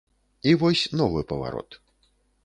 І вось новы паварот.